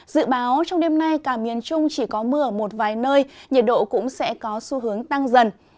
dự báo trong đêm nay cả miền trung chỉ có mưa ở một vài nơi nhiệt độ cũng sẽ có xu hướng tăng dần